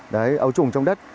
đấy ấu trùng trong đất